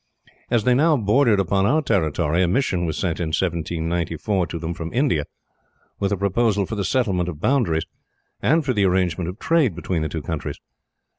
As they now bordered upon our territory, a mission was sent in 1794 to them from India, with a proposal for the settlement of boundaries, and for the arrangement of trade between the two countries.